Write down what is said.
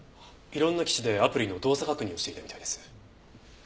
いろんな機種でアプリの動作確認をしていたみたいです。